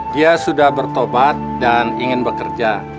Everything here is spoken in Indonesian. dia sudah bertobat dan ingin bekerja